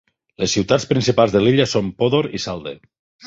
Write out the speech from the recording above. Les ciutats principals de l'illa són Podor i Salde.